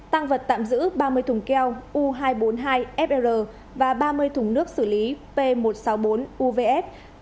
tăng vật tạm giữ ba mươi thùng keo u hai trăm bốn mươi hai fr và ba mươi thùng nước xử lý p một trăm sáu mươi bốn uvf